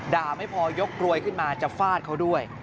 ไม่พอยกกรวยขึ้นมาจะฟาดเขาด้วย